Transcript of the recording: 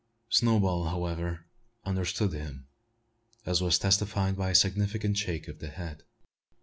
Snowball, however, understood him, as was testified by a significant shake of the head.